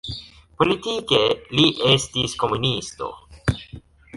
Politike li estis komunisto.